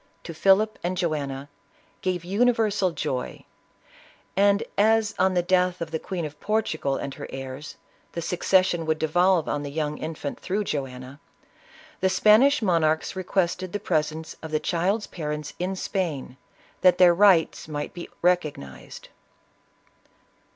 to Philip and Joanna, gave universal joy, and as, on the death of the Queen of Portugal and her heirs, the succession would devolve on the young infant through Joanna, the Spanish monarchs requested the presence of the child's parents in Spain, that their right might be recognized.